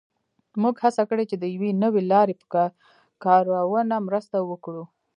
موږ هڅه کړې چې د یوې نوې لارې په کارونه مرسته وکړو